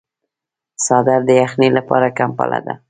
څادر د یخنۍ لپاره کمپله ده.